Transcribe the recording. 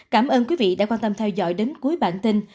cảm ơn quý vị đã quan tâm theo dõi đến cuối bản tin